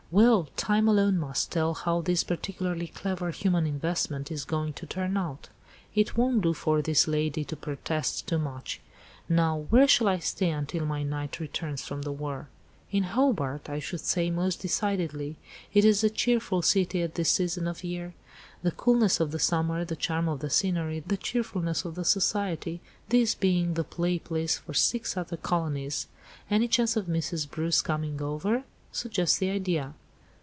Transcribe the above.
Well, time alone must tell how this particularly clever human investment is going to turn out. It won't do for this lady to 'protest too much.' Now where shall I stay until my knight returns from the war?" "In Hobart, I should say, most decidedly. It is a cheerful city at this season of year. The coolness of the summer, the charm of the scenery, the cheerfulness of the society—this being the play place of six other colonies. Any chance of Mrs. Bruce coming over? Suggest the idea."